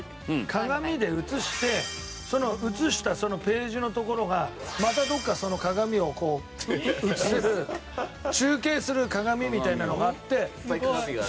鏡で映してその映したページのところがまたどこかその鏡を映せる中継する鏡みたいなのがあっていっぱい鏡がある？